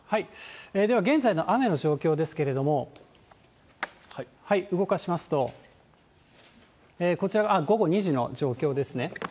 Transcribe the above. では現在の雨の状況ですけれども、動かしますと、こちらが午後２時の状況ですね。